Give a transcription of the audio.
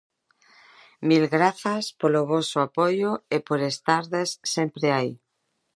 Mil grazas polo voso apoio e por estardes sempre aí.